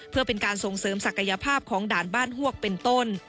เพื่อเป็นการส่งเสริมศักยภาพของด่านบ้านฮวกเป็นต้น